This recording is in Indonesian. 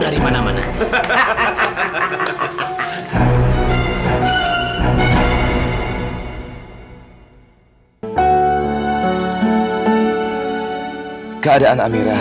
jika tidak ada orang yang tahu